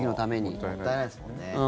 もったいないですよね。